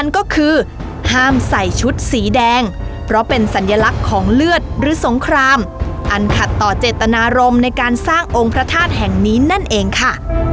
ก็คือห้ามใส่ชุดสีแดงเพราะเป็นสัญลักษณ์ของเลือดหรือสงครามอันขัดต่อเจตนารมณ์ในการสร้างองค์พระธาตุแห่งนี้นั่นเองค่ะ